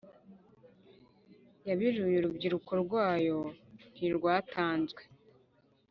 ya biruyi, urubyiruko rwayo ntirwatanzwe